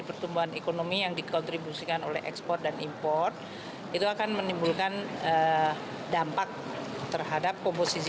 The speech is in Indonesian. pertumbuhan ekonomi terjadi karena meningkatnya investasi dan impor barang modal